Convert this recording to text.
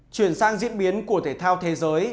chuyển sang diễn biến của thể thao thế giới